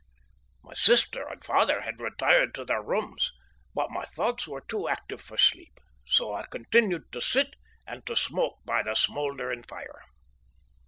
My sister and father had retired to their rooms, but my thoughts were too active for sleep, so I continued to sit and to smoke by the smouldering fire.